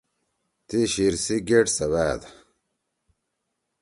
تی شیِر سی گیٹ سیوأد۔